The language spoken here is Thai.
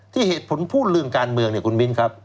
เหตุผลพูดเรื่องการเมืองเนี่ยคุณมิ้นครับ